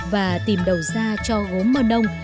và tìm đầu ra cho gốm mân âu